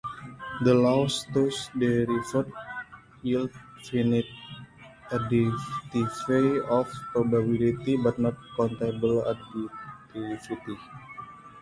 The laws thus derived yield finite additivity of probability, but not countable additivity.